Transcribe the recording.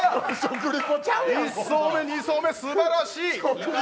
１走目、２走目、すばらしい。